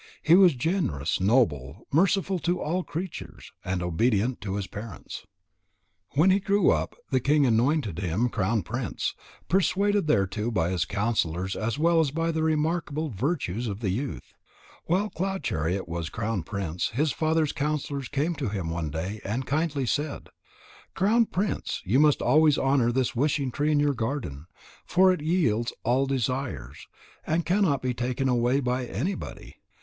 He was generous, noble, merciful to all creatures, and obedient to his parents. When he grew up, the king anointed him crown prince, persuaded thereto by his counsellors as well as by the remarkable virtues of the youth. While Cloud chariot was crown prince, his father's counsellors came to him one day and kindly said: "Crown prince, you must always honour this wishing tree in your garden; for it yields all desires, and cannot be taken away by anybody.